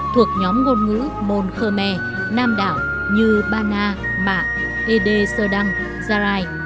thuộc nhóm ngôn ngữ môn khơ me nam đảo như ba na mạ ede sơ đăng gia rai